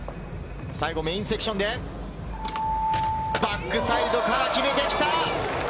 最後メインセクションで、バックサイドから決めてきた！